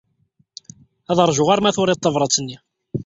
Ad ṛjuɣ arma turiḍ-d tabṛat-nni.